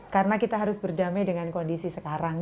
karena kita harus berdamai dengan kondisi sekarang